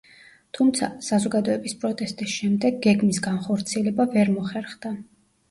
თუმცა, საზოგადოების პროტესტის შემდეგ გეგმის განხორციელება ვერ მოხერხდა.